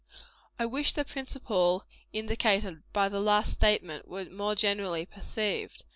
I wish the principle indicated by the last statement were more generally perceived.